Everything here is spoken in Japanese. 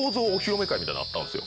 みたいなあったんですよ。